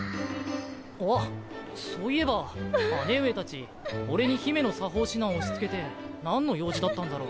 あそういえば姉上達オレに姫の作法指南押し付けて何の用事だったんだろ。